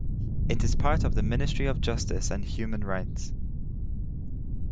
It is part of the Ministry of Justice and Human Rights.